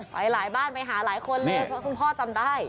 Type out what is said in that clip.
ไปหลายบ้านไปหาหลายคนเลยเพราะคุณพ่อจำได้